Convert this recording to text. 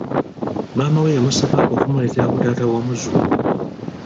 Maama we yamusaba okumuleetera ku taata w'omuzzukulu.